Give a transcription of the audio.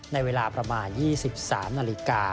ในเวลาประมาณ๒๓นาฬิกา